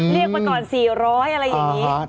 เรียกมาก่อน๔๐๐อะไรอย่างนี้